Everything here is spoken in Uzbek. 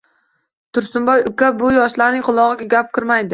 Tursunboy uka, bu yoshlarning qulog‘iga gap kirmaydi